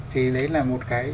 thì đấy là một cái